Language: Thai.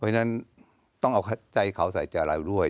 เพราะฉะนั้นต้องเอาใจเขาใส่ใจเราด้วย